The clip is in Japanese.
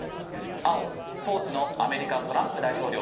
青、当時のアメリカトランプ大統領。